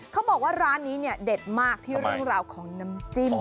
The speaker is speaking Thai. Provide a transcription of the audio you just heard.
เขาบอกว่าร้านนี้เนี่ยเด็ดมากที่เรื่องราวของน้ำจิ้ม